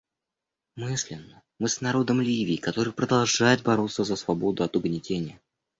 Мысленно мы с народом Ливии, который продолжает бороться за свободу от угнетения.